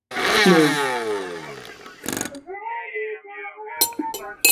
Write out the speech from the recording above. En mayu, quemó la vieya'l tayu.